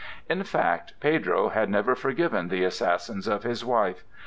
In fact Pedro had never forgiven the assassins of his wife.